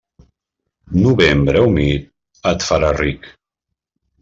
Novembre humit, et farà ric.